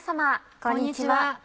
こんにちは。